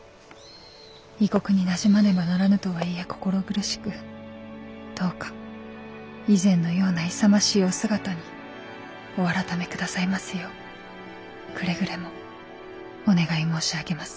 異国になじまねばならぬとはいえ心苦しくどうか以前のような勇ましいお姿にお改めくださいますようくれぐれもお願い申し上げます。